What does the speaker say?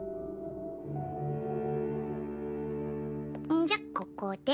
んじゃここで。